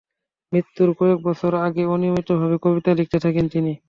মৃত্যুর কয়েক বছর আগে অনিয়মিতভাবে কবিতা লিখতে থাকেন তিনি।